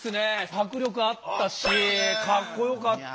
迫力あったしかっこよかった。